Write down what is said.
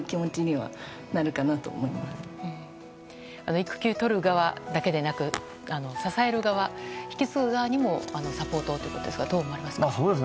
育休を取る側だけでなく支える側を、引き継ぐ側にもサポートするということですがどう思われますか？